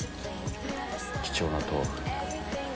貴重な豆腐。